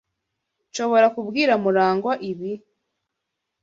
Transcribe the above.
Nshobora kubwira Murangwa ibi?